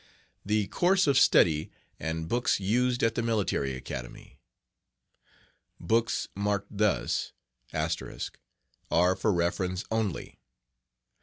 THE COURSE OF STUDY AND BOOKS USED AT THE MILITARY ACADEMY. [Books marked thus * are for reference only.